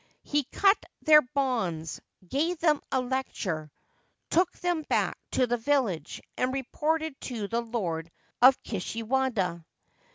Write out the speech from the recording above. He cut their bonds, gave them a lecture, took them back to the village, and reported to the Lord of Kishiwada.